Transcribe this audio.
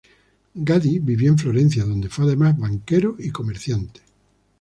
Gaddi vivió en Florencia donde fue además banquero y comerciante.